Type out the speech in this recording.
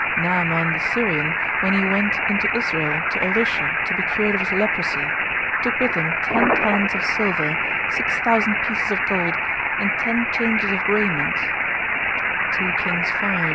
Naaman the Syrian, when he went into Israel to Elisha to be cured of his leprosy, took with him ten talents of silver, six thousand pieces of gold, and ten changes of raiment, (2 Kings v.